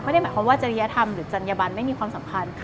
ไม่ได้หมายความว่าจริยธรรมหรือจัญญบันไม่มีความสำคัญ